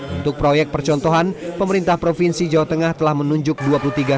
untuk proyek percontohan pemerintah provinsi jawa tengah telah menunjuk dua puluh tiga